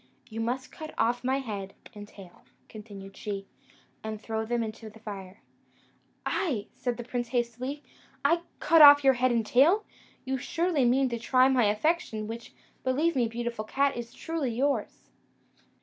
You must cut off my head and tail," continued she, "and throw them into the fire." "I!" said the prince, hastily "I cut off your head and tail! You surely mean to try my affection, which, believe me, beautiful cat, is truly yours."